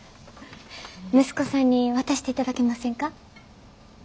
息子さんに渡していただけませんか？